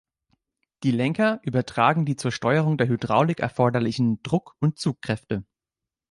Die Lenker übertragen die zur Steuerung der Hydraulik erforderlichen Druck- und Zugkräfte.